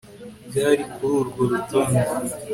Byari kuri urwo rutonde